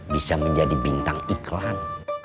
bisa menjadi bintang iklan